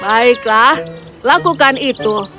baiklah lakukan itu